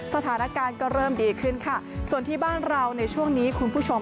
สถานการณ์ก็เริ่มดีขึ้นค่ะส่วนที่บ้านเราในช่วงนี้คุณผู้ชม